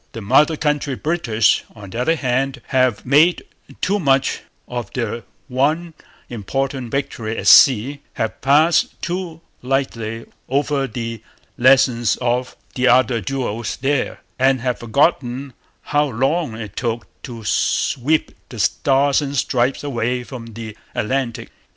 The mother country British, on the other hand, have made too much of their one important victory at sea, have passed too lightly over the lessons of the other duels there, and have forgotten how long it took to sweep the Stars and Stripes away from the Atlantic.